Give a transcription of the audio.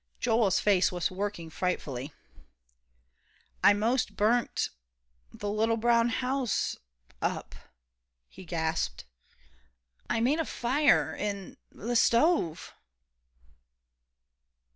Joel's face was working frightfully. "I 'most burnt the little brown house up," he gasped. "I made a fire in the stove!"